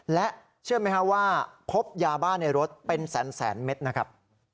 และเชื่อไหมครับว่าพบยาบ้าในรถเป็นแสนเม็ดนะครับ